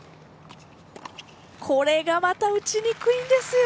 これがまた打ちにくいんですよ！